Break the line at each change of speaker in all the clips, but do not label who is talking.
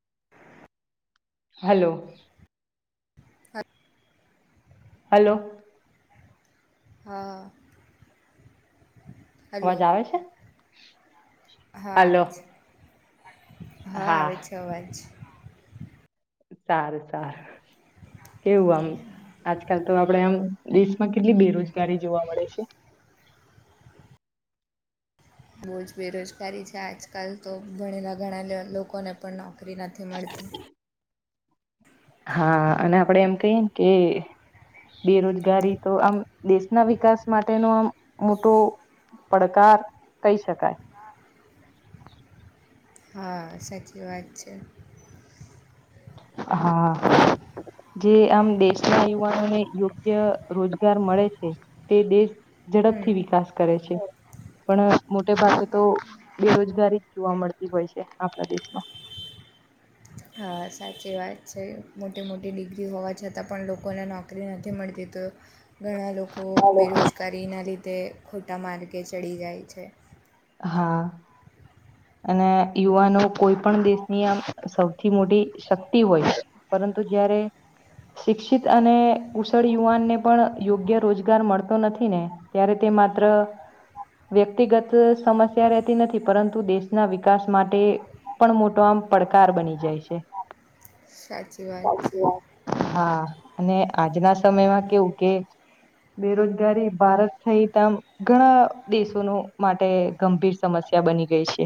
[unintelligible]
Hello.
[inaudible]
Hello.
[inaudible] Hello
અવાજ આવે છે.
હા
હલો
આવે છે હા આવે છે અવાજ છે.
સારું સારું કેવું આમ. આજકાલ તો આપણેે આમ દેશમાં કેટલી બેરોજગારી જોવા મળે છે. [inaudible]
બહુ જ બેરોજગારી છે આજકાલ તો ભણેલા ઘણા લોકોને પણ ન નોકરી નથી મળતી
હા અને આપડે એમ કહીએને કે બેરોજગારી તો આમ દેશના વિકાસ માટેનો આમ મોટો પડકાર કહી શકાય
હા સાચી વાત છે.
[inaudible] જે આમ દેશના યુવાનોને યોગ્ય રોજગાર મળે છે તે દેશ
હમ
ઝડપથી વિકાસ કરે છે. પણ મોટે ભાગે તો બેરોજગારી જ જોવા મળતી હોય છે આપણા દેશમાં [inaudible]
સાચી વાત છે મોટી મોટી ડિગ્રી હોવા છતાં પણ લોકોને નોકરી નોકરી નથી મળતી તો ઘણા લોકો
હલો
બેરોજગારીના લીધે તે ખોટા માર્ગે ચડી જાય છે.
[inaudible] અને યુવાનો કોઈ પણ દેશની આમ સૌથી મોટી શક્તિ હોય પરંતુ તો જયારે શિક્ષિત અને કુશળ યુવાનને પણ યોગ્ય રોજગાર મળતો નથી ને ત્યારે તે ત્ર વ્યક્તિગત સમસ્યા રહેતી નથી પરંતુ દેશ દ ના વિકાસ માટે પણ મોટો આમ પડકાર બની જાય છે.
સાચી વાત
ચ
છે
હા અને આજના સમયમાં કેવું કેટટ બેરોજગારી ભારત સહિત આમ ઘણા દેશોનો માટે ગંભીર સમસ્યા ્યા બની ગઈ છે.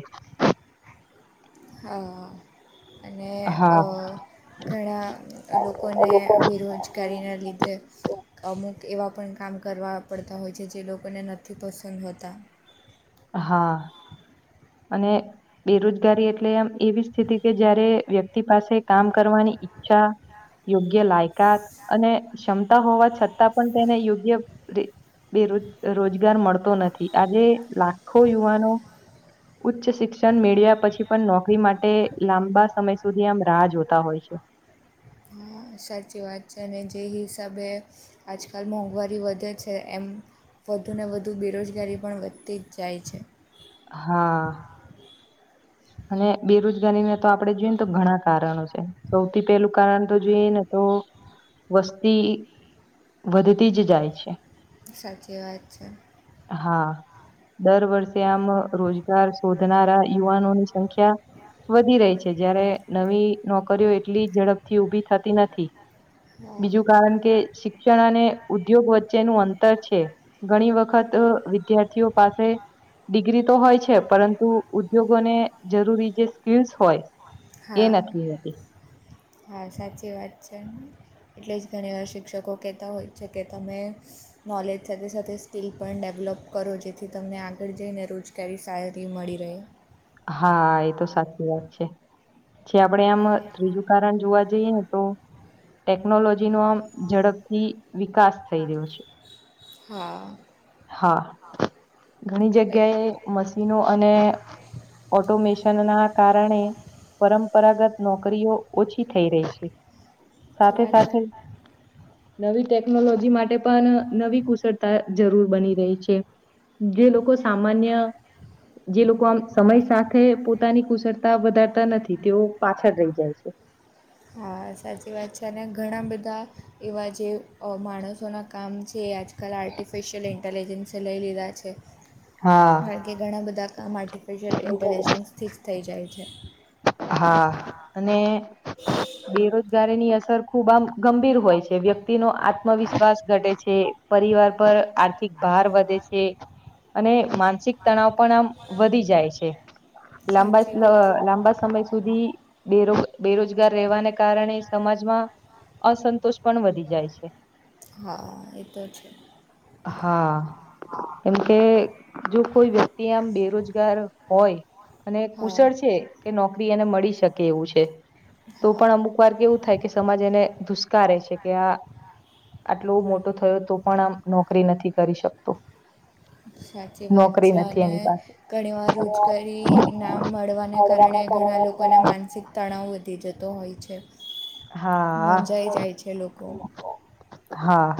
હ અને
હા
ઘણા લોકોને
લોકો
બેરોજગારીના લીધે અમુક એવા પણ કામ કરવા પડતા હોય છે જે લોકોને નથી પસંદ હોતા.
[inaudible] અને બેરોજગારી એટલે આમ એવી સ્થિતિ કે જયારે વ્યક્તિ પાસે કામ કરવાની ચ્છા યોગ્ય લાયકાત અને ક્ષમતા હોવા છતાં પણ તેને યોગ્ય બેરોજ રોજગાર મળતો નથી આજે લાખો યુવાનો ઉચ્ચ શિક્ષણ મેળવ્યા પછી પણ નોકરી માટે લાંબા સમય સુધી આમ રાહ જોતા હોય છે.
[inaudible] સાચી વાત છે અને જે હિસાબે આજકાલ મોંઘવારી વધે છે એમ વધુને વધુ બેરોજગારી પણ વધતી જ જાય છે.
[inaudible] અને બેરોજગારીને તો આપડે જોઈ ને તો ઘણા કારણો છે સૌથી પેલું કારણ તો જોઈએ ને તો વસ્તી વધતી જ જાય છે.
સાચી વાત છે‌
હા દર વર્ષે આમ રોજગાર શોધનારા યુવાનોની સંખ્યા વધી રહી છે જયારે નવી નોકરીઓ એટલી ઝડપથી ઉઊભી થતી નથી.
હા
બીજું કારણ કે શિક્ષણ અને ઉદ્યોગ વચ્ચેનું અંતર છે ઘણી વખત વિદ્યાર્થીઓ પાસે ડિગ્રી તો હોય છે પરંતુ ઉદ્યોગોને જરૂરી જે સ્કીલ્સ હોય એ
હા
નથી હોતી
હા સાચી વાત છે એટલે જ ઘણી વાર શિક્ષકો કહેતા હોય છે કે તમે નોલેજ સાથે સાથે સ્કીિલ પણ ડેવલોપ કરો જેથી તમને આગળ જઈને રોજગારી સારી મળી રહે બે
હા એ તો સાચી વાત છે જે આપણેે આમ ત્રીજું કારણ જોવા જઈએ તો ટેકનોલોજીનોો આમ ઝડપથી વિકાસ થઈ રહ્યો છે
હા
હા ઘણી
એટ
જગ્યાએ મશીનો અને ઓટોમિશન ના કારણે પરંપરાગત નોકરીઓ ઓછી થઈ રહી છે સાથે
ઉ છે
સાથે નવી ટેકનોલોજી માટે પણ નવી કુશળતા જરૂર બની રહી છે જે લોકો સામાન્ય જે લોકો આમ સમય સાથે પોતાની કુશળતા વધારતા નથી તેઓ પાછળ રહી જાય છે
સાચી વાત છે અને ઘણા બધા એવા જે માણસોના કામ છે આજ આકાલ આર્ટિફિશિયલ ઇન્ટેલિજન્સે લઈ લીધા છે
હા
કારણ કે ઘણા બધા કામ માટે આર્ટિફિશિયલ ઇન્ટેલિજન્સ ફિક્સ થઈ જાય છે
હા અને બેરોજગારીની અસર ખુબ આમ ગંભીર હોય છે વ્યક્તિ નો આત્મવિશ્વાસ ઘટે છે પરિવાર પર આર્થિક ભાર વધે છે અને માનસિક તણાવ પણ આમ વધી જાય છે
સાચી
લાંબા
વાત
લાંબા સમય સુધી બે બેરોજગાર રહેવાને કારણે સમાજમાં અસંતોષ પણ વધી જાય છે
હા એ તો છે
હા કેમ કે જો કોઈ વ્યક્તિ આમ બેરોજગાર હોય અને
હા
કુશળ છે કે નોકરી એને મળી શકે એવું છે તો
હા
પણ અમુક વાર કેવું થાય કે સમાજ એને ધુષ્કારે છે કે આ આટલો મોટો થયો તો પણ આમ નોકરી નથી કરી શકતો
સાચી વાત
નોકરી
છે
નથી
અને
એની પાસે
ઘણી વાર રોજગારી નામ મળવાના કારણે
ભણવાના
ઘણા
કારણે
લોકોને માનસિક તણાવ વધી જતો હોય છે
હા
મુજાઈ જાય છે લોકો
હા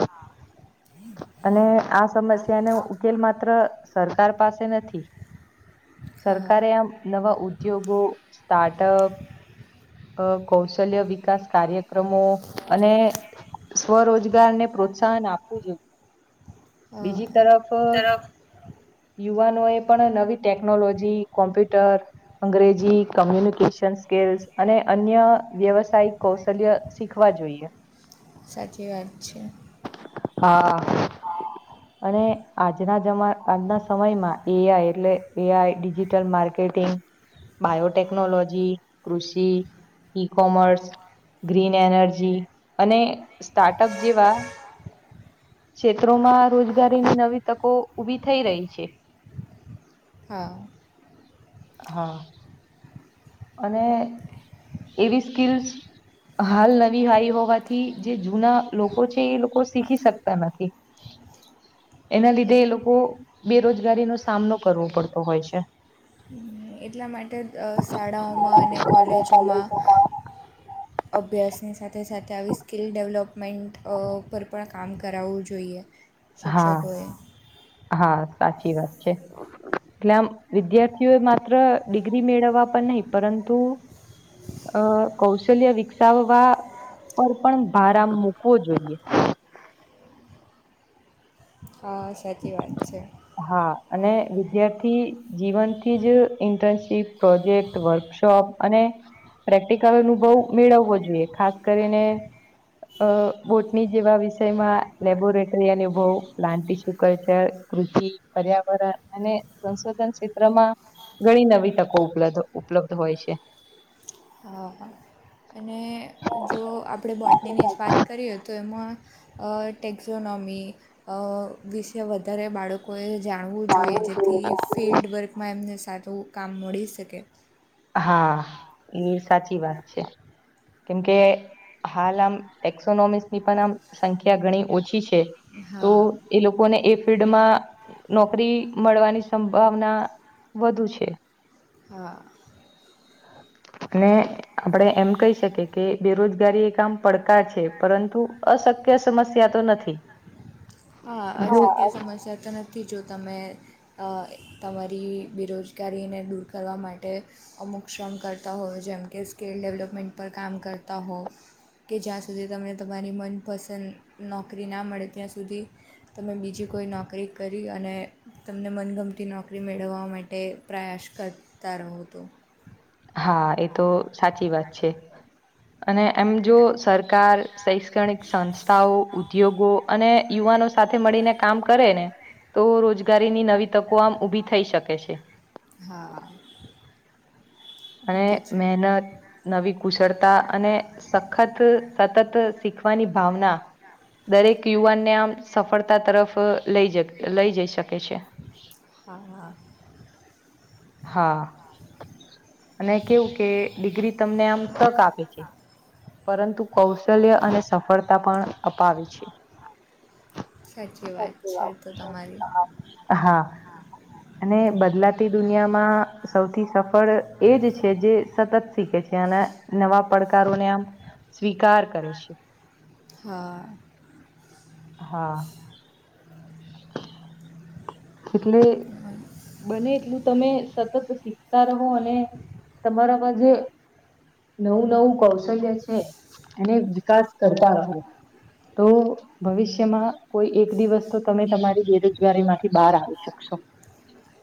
અને આ સમસ્યાનો ઉકેલ માત્ર સરકાર પાસે નથી
હા
સરકારે આમ નવા ઉદ્યોગો સ્ટાર્ટઅપ અ કૌશલ્ય વિકાસ કાર્યક્રમો અને સ્વરોજગારને પ્રોત્સાહન આપવું જોઈએ બીજી
હા
તરફ યુવાનો એ પણ નવી ટેકનોલોજી કોમ્પ્યુટર અંગ્રેજી કોમ્યુનિકેશન સ્કેલ્સ અને અન્ય વ્યવસાયિક કૌશલ્ય શીખવા જોઈએ
સાચી વાત છે
હા અને આજના જમા આજના સમયમાં એઆઈ એટલે AI digital marketing biotechnology કૃષિ ઈ કોમર્સ ગ્રીન એનર્જી અને સ્ટાર્ટઅપ જેવા ક્ષેત્રોમાં રોજગારીની નવી તકો ઊભી થઈ રહી છે
હા
હા અને એવી સ્કિલશ હાલ નવી હાઈ હોવાથી જે જૂના લોકો છે એ લોકો શીખી શકતા નથી [inaudible] એના લીધે એ
એટલે
લોકો બેરોજગારીનો સામનો કરવો પડતો હોય છે
હમ, એટલા માટે સા શાળાઓમાં અને
ચાલે
કોલેજોમાં
છે
અભ્યાસની સાથે સાથે આવી સ્કિલ ડેવલપમેન્ટ પર પણ કામ કરાવવું જોઈએ
હા
શિક્ષકોએ
હા સાચી વાત છે એટલે આમ વિદ્યાર્થીઓ માત્ર ડિગ્રી મેળવવા પણ નહી પરંતુ અ કૌશલ્ય વિકસાવવા પર પણ ભારા મૂકવો જોઈએ
હ સાચી વાત છે
હા અને વિદ્યાર્થી જીવનથી જ ઇન્ટર્નશીપ પ્રોજેક્ટ વર્કશોપ અને પ્રેક્ટિકલ અનુભવ મેળવવો જોઈએ ખાસ કરીને અ બોટની જેવા વિષયમાં લેબોરેટરી અનુભવ પ્લા કલ્ચર કૃષિ પર્યાવરણ અને સંશોધન ક્ષેત્રમાં ઘણી નવી તકોલ્ ઉપલબ્ધ હોય છે
હ એને જો આપણે બોટનીની જ વાત કરીએ તો એમાં એ ટેક્ઝોનોમી વિશે વધારે બાળકોએ જાણવું જોઈએ જેથી ફિલ્ડવર્કમાં એમને સારું કામ મળી શકે
હા એ સાચી વાત છે કેમ કે હાલ આમ એક્સોનોમિકસની પણ આમ સંખ્યા ઘણી ઓછી છે તો
હા
એ લોકોને એ ફિલ્ડમાં નોકરી મળવાની સંભાવના વધુ છે.
હા.
[unintelligible] આપણેે એમ કહી શકીએ કે બેરોજગારી એ આામ પડકાર છે, પરંતુ અશક્ય. કો સમસ્યા તો નથી.
હા
જો
અશક્ય સમસ્યા તો નથી જો તમે. તમારી બેરોજગારીને દૂર કરવા માટે અમુક શ્રમ કરતા હોય. જેમકે સ્કિલ ડેવલપમેન્ટ પર કામ કરતા હો. કે જ્યાં સુધી તમને તમારી મનપસંદ નોકરી ના મળે ત્યાં સુધી. તમે બીજી કોઈ નોકરી કરી અને તમને મનગમતી નોકરી મેળવવા માટે. પ્રયાસ કરતા [unintelligible]
હા એ તો સાચી વાત છે, અને એમ જો સર. સરકાર શૈક્ષણિક સંસ્થાઓ ઉદ્યોગો અને. યુવાનો સાથે મળીને કામ કરે ને. તો રોજગારીની નવી તકો આમ [unintelligible] ઊભી થઈ શકે છે.
હા એ
અને
તો છે
મહેનત નવી કુશળતા અને સખત સતત [unintelligible] શીખવાની ભાવના. દરેક યુવાનને આમ સફળતા તરફ લઈ જ લઈ જઈ શકે છે. [inaudible]
હ.
હા. અને કેવું કે ડિગ્રી તમને આમ તક આપે છે. પરંતુ કૌશલ્ય અને સફળતા પણ અપાવે છે.
સાચી વાત છે, તો તમારી.
હા અને બદલાતી. દુનિયામાં સૌથી સફળ એજ છે, જે સતત શીખે છે, અને નવા પડકાર કારોને આમ સ્વીકાર કરે છે.
[inaudible]
હા એટલે. બને એટલું તમે સતત શીખતા રહો અને તમારામાં જે નવું નવું કૌશલ્ય છે, એને વિકાસ કરતા રહો તો ભવિષ્યમાં કોઈ એક દિવસ તો તમે તમારી બેરોજગારી માટે. બહાર આવી શકશો.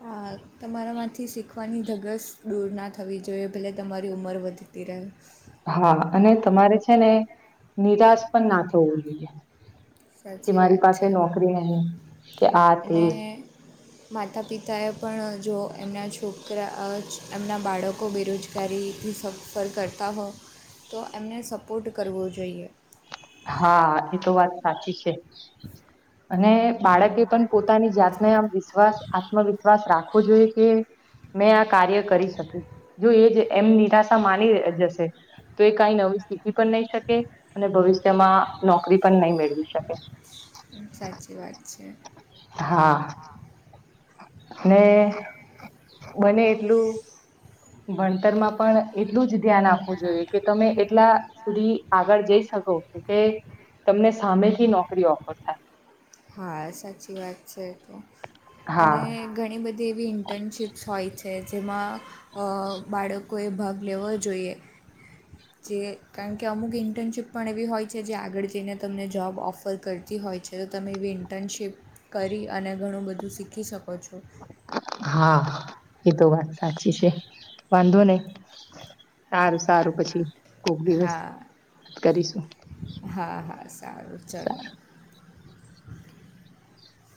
હા તમારામાંથી શીખવાની ધઝગસ દૂર ના થવી જોઈએ ભહેલે તમારી ઉંમર વધતી રહે
હા અને તમારે છે, ને નિરાશ પણ ના થવું જોઈએ. કે
સાચી
મારી
વાત
પાસે
છે
એ નોકરી ન કે
અને
આતી
માતા પિતાએ પણ. જો એમના છોકરા એમના બાળકો બેરોજગારીથી સફર કરતા હો. તો એમને સપોર્ટ કરવો જોઈએ.
હા એ તો વાત સાચી છે, અને બાળકે પણ. પોતાની જાતને આમ વિશ્વાસ આત્મવિશ્વાસ રાખવો જોઈએ કે. મેં આ કાર્ય કરી શકી જો એ જ એમ નિરાશા માની જશે તો એ કઈ નવીું શીખી પણ નહી શકે અને ભવિષ્ય તેમાં નોકરી પણ નહી મેળવી શકે
સાચી વાત છે.
[inaudible] ને બને એટલું. ભણતરમાં પણ એટલું જ ધ્યાન આપવું જોઈએ કે તમે એટલા સુધી આગળ જઈ શકો તમને સામેથી નોકરી ઓફર થાય.
હા સાચી વાત છે તો
હા
અને ઘણી બધી એવી ઇન્ટર્નશિપ્સ હોય છે. છે જેમાં અ બાળકોએ ભાગ લેવો જોઈએ. જે કારણ કે અમુક ઇન્ટર્નશીપ પણ એવી હોય છે જે આગળ જઈને તમને જોબ ઓફર કરતી હોય છે તો તમે એવી ઇન્ટર્નશીપ કરી અને ઘણું બધું શીખી શકો છો.
એતો વાત સાચી છે વાંધો નહી સારું સારું પછી. કોક દિવસ
હા
વાત કરીશું
હા હા સારું
સાર.
ચલો